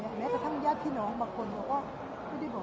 แม้กระทั่งญาติพี่น้องบางคนเขาก็ไม่ได้บอก